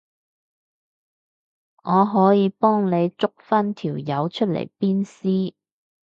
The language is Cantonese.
我可以幫你捉返條友出嚟鞭屍